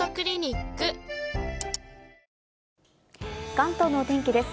関東の天気です。